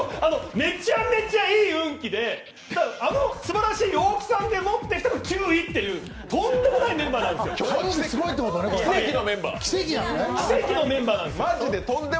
めちゃめちゃいい運気で、あのすばらしい大木さんでもって９位っていう、とんでもないメンバーなんですよ、奇跡のメンバーなんですよ。